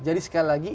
jadi sekali lagi